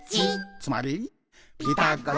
「つまり、」